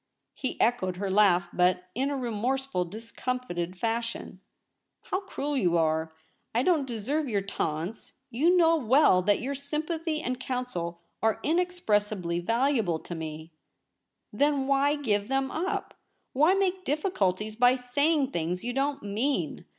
He echoed her laugh, but in a remorseful, discomfited fashion. * How cruel you are ! I don't deserve your taunts. You know well that your sympathy and counsel are inexpressibly valuable to me.' LITER A SCRIPT A. 229 ' Then why give them up ? Why make difficuhies by saying things you don't mean